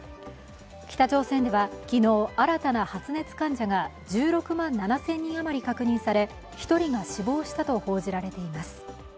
北朝鮮では昨日、新たな発熱患者が１６万７０００人余りが確認され１人が死亡したと報じられています